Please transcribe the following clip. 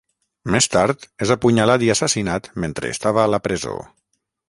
Més tard és apunyalat i assassinat mentre estava a la presó.